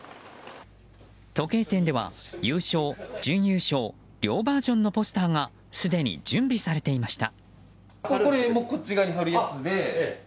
時計店では優勝、準優勝両バージョンのポスターがすでに準備されていました。